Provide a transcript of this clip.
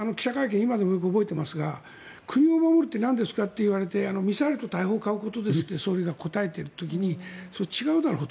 今でもよく覚えていますが国を守るって何ですか？って言われてミサイルと大砲を買うことですって総理が答えている時にそれは違うだろうと。